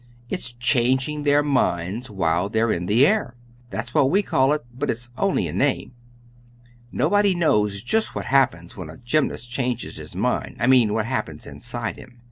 "It's changing their minds while they're in the air. That's what we call it, but it's only a name. Nobody knows just what happens when a gymnast changes his mind I mean what happens inside him.